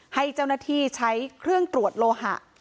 ให้เจ้าหน้าที่ใช้เครื่องตรวจโลหะ